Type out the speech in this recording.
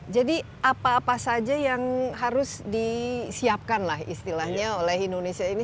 jadi apa apa saja yang harus disiapkanlah istilahnya oleh indonesia ini